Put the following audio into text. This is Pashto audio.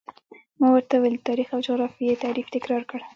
ما ورته د تاریخ او جغرافیې تعریف تکرار کړ.